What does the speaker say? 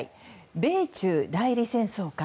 米中代理戦争か。